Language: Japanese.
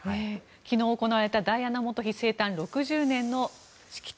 昨日行われたダイアナ元妃生誕６０周年の式典。